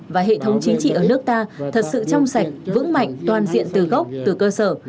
và hệ thống chính trị ở nước ta thật sự trong sạch vững mạnh toàn diện từ gốc từ cơ sở